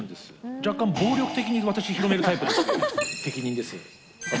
若干暴力的に広めるタイプです。